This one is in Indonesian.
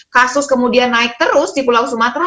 kasus kemudian naik terus di pulau sumatera